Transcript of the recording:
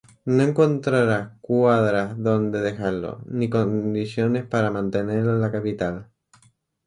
No encontrará cuadras donde dejarlo, ni condiciones para mantenerlo en la capital.